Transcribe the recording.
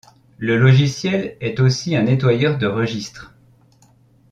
Le logiciel est aussi un nettoyeur de registre.